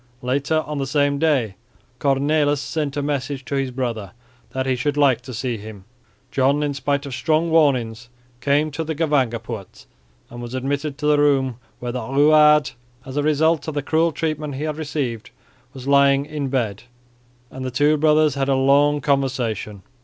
Later on the same day Cornelis sent a message to his brother that he should like to see him. John, in spite of strong warnings, came to the Gevangenpoort and was admitted to the room where the Ruwaard, as a result of the cruel treatment he had received, was lying in bed; and the two brothers had a long conversation.